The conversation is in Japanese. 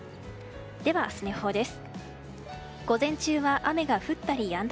では明日の予報です。